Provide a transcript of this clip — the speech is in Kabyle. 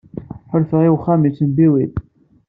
Ḥulfaɣ i uxxam yettembiwil.